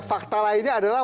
fakta lainnya adalah